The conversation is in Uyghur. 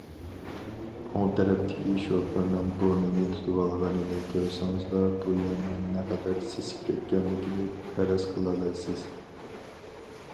ئوڭ تەرەپتىكى شوپۇرنىڭ بۇرنىنى تۇتۇۋالغىنىنى كۆرسىڭىزلا بۇ يەرنىڭ نە قەدەر سېسىپ كەتكەنلىكىنى پەرەز قىلالايسىز.